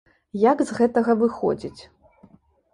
Як з гэтага выходзіць?